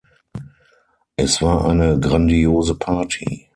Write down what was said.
Es war eine grandiose Party.